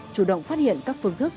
chủ động phát hiện các phương thức